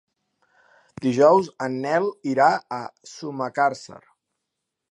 Dijous en Nel irà a Sumacàrcer.